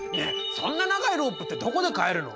そんな長いロープってどこで買えるの？